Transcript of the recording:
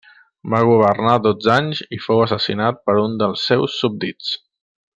Va governar dotze anys i fou assassinat per un dels seus súbdits.